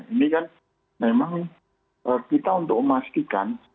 ini kan memang kita untuk memastikan